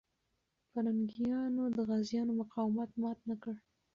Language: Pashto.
پرنګیانو د غازيانو مقاومت مات نه کړ.